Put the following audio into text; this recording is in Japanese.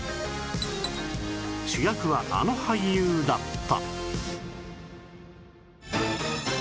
主役はあの俳優だった！